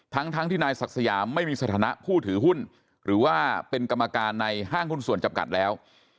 ทั้งที่นายศักดิ์สยามไม่มีสถานะผู้ถือหุ้นหรือว่าเป็นกรรมการในห้างหุ้นส่วนจำกัดแล้ว